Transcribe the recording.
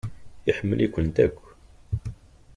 Iḥemmel-ikent akk.